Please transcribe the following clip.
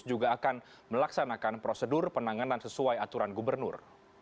juga akan melaksanakan prosedur penanganan sesuai aturan gubernur